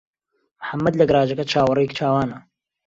محەممەد لە گەراجەکە چاوەڕێی چاوانە.